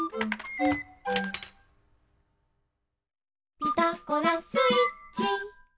「ピタゴラスイッチ」